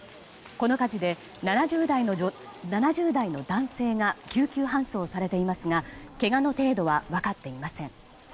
この火事で、７０代の男性が救急搬送されていますがけがの程度は分かっていません。